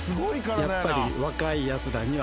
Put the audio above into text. やっぱり。